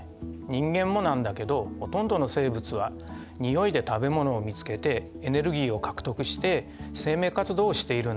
人間もなんだけどほとんどの生物はにおいで食べ物を見つけてエネルギーを獲得して生命活動をしているんだ。